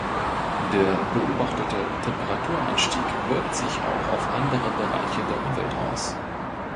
Der beobachtete Temperaturanstieg wirkt sich auch auf andere Bereiche der Umwelt aus.